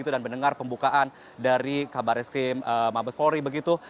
dan mendengar pembukaan dari kabar reskrim mabes polri begitu